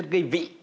rất nhiều chất vị